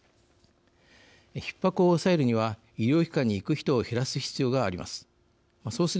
ひっ迫を抑えるには医療機関に行く人を減らす必要があります。